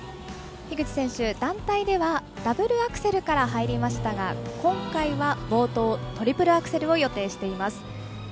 樋口選手団体ではダブルアクセルから入りましたが、今回は冒頭トリプルアクセルを予定してます。